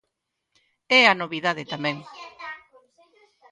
É a novidade tamén.